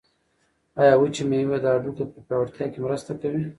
آیا وچې مېوې د هډوکو په پیاوړتیا کې مرسته کوي؟